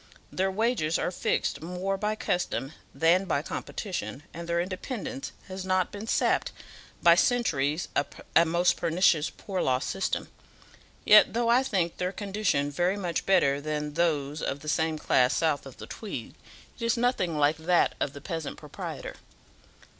Their wages are fixed more by custom than by competition, and their independence has not been sapped by centuries of a most pernicious poor law system; yet, though I think their condition very much better than those of the same class south of the Tweed, it is nothing like that of the peasant proprietor."